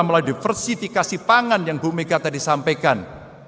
melalui diversifikasi pangan yang bumika tadi sampaikan